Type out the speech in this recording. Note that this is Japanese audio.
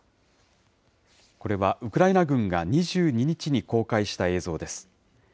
これはウクライナ軍が２２日に公開した映像です。